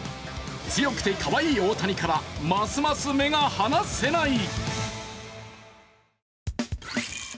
強くてかわいい大谷からますます目が離せない。